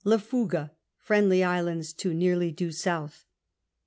Lefooga (Friendly Islands to neaidy due south).